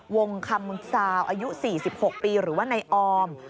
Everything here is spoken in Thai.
วงคำมึงซาวอายุ๔๖ปีหรือว่านายออม